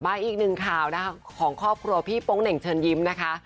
อีกหนึ่งข่าวนะคะของครอบครัวพี่โป๊งเหน่งเชิญยิ้มนะคะ